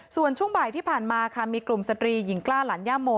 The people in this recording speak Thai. ส่วนช่วงบ่ายที่ผ่านมาค่ะมีกลุ่มสตรีหญิงกล้าหลานย่าโม